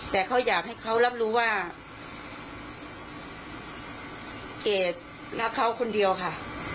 แต่เขาอยากให้เขารับรู้ว่าเกดรักเขาคนเดียวค่ะ